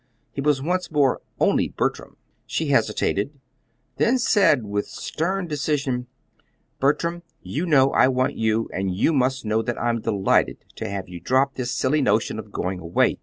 He was once more "only Bertram." She hesitated, then said with stern decision: "Bertram, you know I want you, and you must know that I'm delighted to have you drop this silly notion of going away.